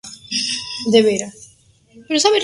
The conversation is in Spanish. Se explotan además, a orillas del río Apa canteras de mármol.